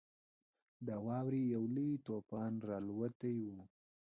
د واورې یو لوی طوفان راالوتی وو.